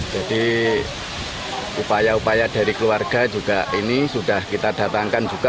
jadi upaya upaya dari keluarga juga ini sudah kita datangkan juga